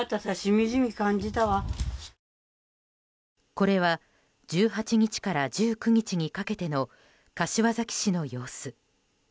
これは１８日から１９日にかけての柏崎市の様子。